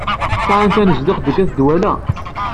Sɛant tanezduɣt deg at Dwala?